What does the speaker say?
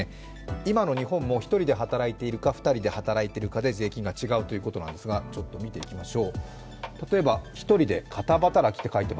今の日本も１人で働いているか、２人で働いているかで税金が違うということなんですが、見ていきましょう。